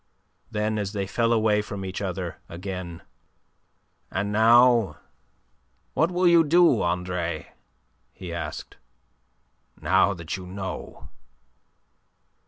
Then as they fell away from each other again: "And now, what will you do, Andre?" he asked. "Now that you know?"